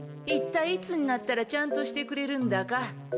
いったいいつになったらちゃんとしてくれるんだか。